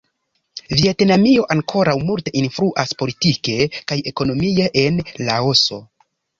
Vjetnamio ankoraŭ multe influas politike kaj ekonomie en Laoso.